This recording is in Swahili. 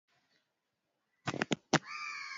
Uchumi wa Zanzibar unategemea kilimo na utalii